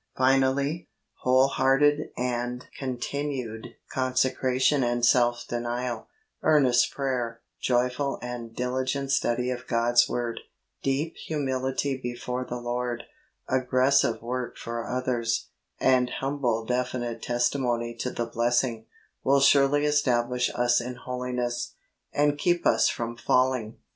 Finally, whole hearted and continued 66 THE WAY OF HOLINESS consecration and self denial, earnest prayer, joyful and diligent study of God's Word, deep humility before the Lord, aggressive work for others, and humble definite testi mony to the blessing, will surely establish us in Holiness, and keep us from falling.